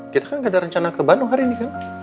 kita kan gak ada rencana ke bandung hari ini kan